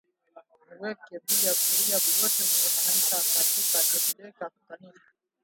Mu weke bia kuria biote mu ma nsaka tu ka peleke ku kanisa